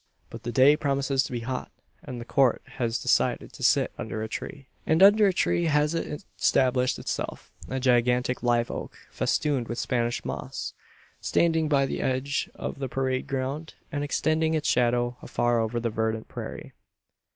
But the day promises to be hot, and the Court has decided to sit under a tree! And under a tree has it established itself a gigantic live oak, festooned with Spanish moss standing by the edge of the parade ground, and extending its shadow afar over the verdant prairie.